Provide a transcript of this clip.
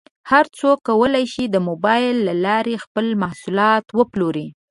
هر څوک کولی شي د مبایل له لارې خپل محصولات وپلوري.